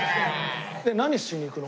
何しに行くの？